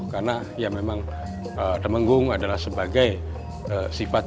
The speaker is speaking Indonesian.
karena ya memang temenggung adalah sebagai sifat yang tegas dan tegas